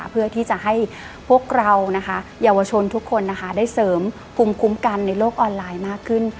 เพื่อที่จะให้พวกเรานะคะเยาวชนทุกคนนะคะได้เสริมภูมิคุ้มกันในโลกออนไลน์มากขึ้น